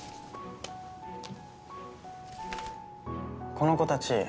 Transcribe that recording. この子たち